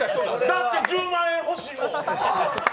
だって１０万円欲しいもん。